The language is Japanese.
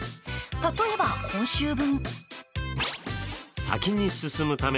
例えば、今週分。